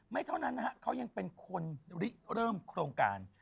เท่านั้นนะฮะเขายังเป็นคนริเริ่มโครงการ